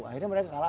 akhirnya mereka kalah